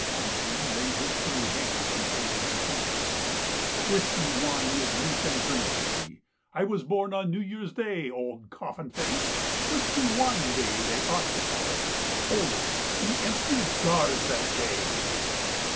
Henri laid his free hand on Fa bian's knee. " Whiskey wine is meat and drink to me — I was born on New Year's Day, old coffin face. Whiskey wine day, they ought to call it. Holy ! the empty jars that day."